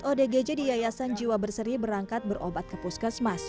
odgj di yayasan jiwa berseri berangkat berobat ke puskesmas